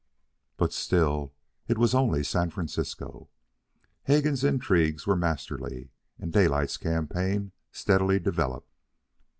But still, it was only San Francisco. Hegan's intrigues were masterly, and Daylight's campaign steadily developed.